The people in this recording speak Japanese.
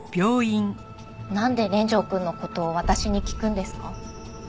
なんで連城くんの事を私に聞くんですか？